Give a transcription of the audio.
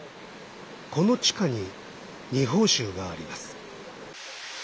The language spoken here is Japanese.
この地下に二峰しゅうがあります。